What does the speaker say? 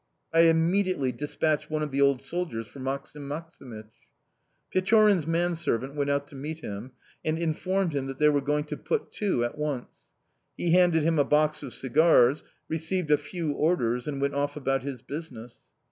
I immediately despatched one of the old soldiers for Maksim Maksimych. Pechorin's manservant went out to meet him and informed him that they were going to put to at once; he handed him a box of cigars, received a few orders, and went off about his business.